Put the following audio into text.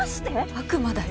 ・悪魔だよ